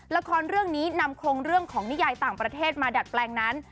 ละครเรื่องนี้นำคงเรื่องของนิยายต่างประเทศมาดัดแปลงนั้น